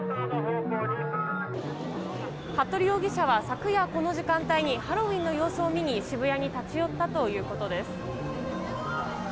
服部容疑者は昨夜この時間帯にハロウィーンの様子を見に渋谷に立ち寄ったということです。